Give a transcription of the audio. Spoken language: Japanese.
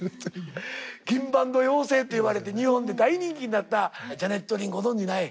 「銀盤の妖精」って言われて日本で大人気になったジャネット・リンご存じない？